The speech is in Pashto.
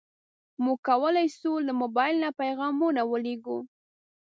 موږ کولی شو له موبایل نه پیغامونه ولېږو.